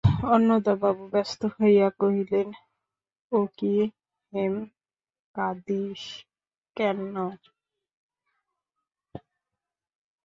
অন্নদাবাবু ব্যস্ত হইয়া কহিলেন, ও কী হেম, কাঁদিস কেন?